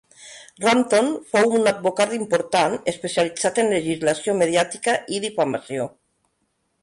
Rampton fou un advocat important especialitzat en legislació mediàtica i difamació.